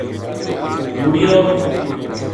مُڑیو